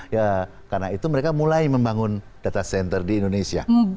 ya karena itu mereka mulai membangun data center di indonesia